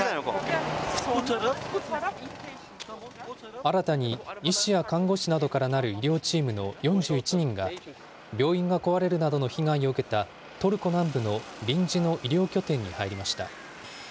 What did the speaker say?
新たに医師や看護師などからなる医療チームの４１人が、病院が壊れるなどの被害を受けたトルコ南部の臨時の医療拠点に入りました。